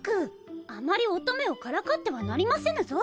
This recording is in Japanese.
あまり乙女をからかってはなりませぬぞ。